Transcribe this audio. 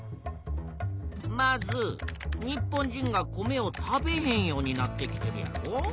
まず日本人が米を食べへんようになってきてるやろ。